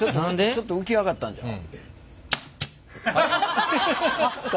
ちょっと浮き上がったんちゃう？